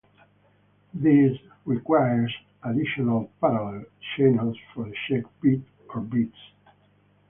This requires additional parallel channels for the check bit or bits.